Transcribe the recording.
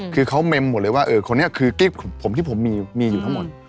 คือเขาเมมหมดเลยว่าคนนี้คือกิ๊กผมที่ผมมีอยู่ทั้งหมด